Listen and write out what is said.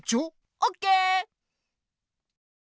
オッケー。